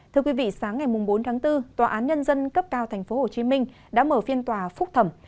thưa quý vị sáng ngày bốn tháng bốn tòa án nhân dân cấp cao tp hcm đã mở phiên tòa phúc thẩm